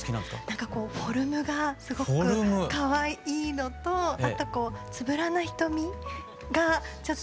なんかこうフォルムがすごくかわいいのとあとつぶらな瞳がちょっとかわいい。